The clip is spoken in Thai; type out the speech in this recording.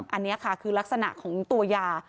อันนี้ค่ะคือลักษณะของตัวยา